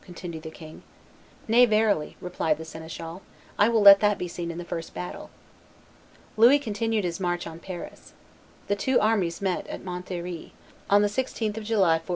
continued the king. "Nay, verily," replied the seneschal; "I will let that be seen in the first battle." Louis continued his march on Paris. The two armies met at Montlhery, on the 16th of July, 1465.